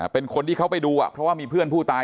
เป็นคนที่เขาไปดูเพราะว่ามีเพื่อนผู้ตาย